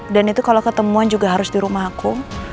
dan itu kalo ketemuan juga harus dirumah aku